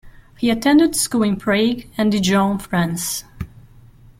He attended school in Prague and Dijon, France.